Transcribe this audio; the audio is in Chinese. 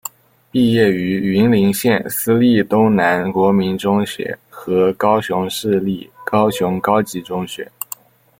毕业于云林县私立东南国民中学和高雄市立高雄高级中学。